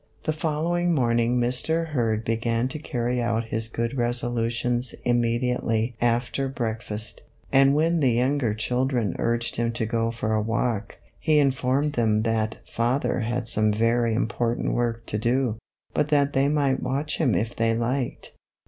" The following morning Mr. Hurd began to carry out his good resolutions immediately after break fast ; and when the younger children urged him to go for a walk, he informed them that " father had some very important work to do, but that they might watch him if they liked."